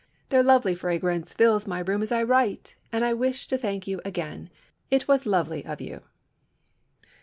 Their lovely fragrance fills my room as I write, and I wish to thank you again. It was lovely of you."